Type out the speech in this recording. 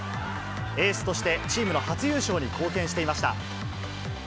エースとしてチームの初優勝に貢献していました。